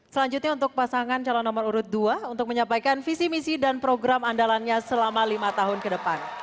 selanjutnya untuk pasangan calon nomor urut dua untuk menyampaikan visi misi dan program andalannya selama lima tahun ke depan